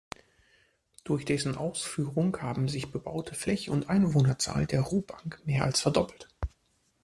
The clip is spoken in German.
Durch dessen Ausführung haben sich bebaute Fläche und Einwohnerzahl der Ruhbank mehr als verdoppelt.